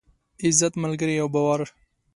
عزت، ملگري او باور.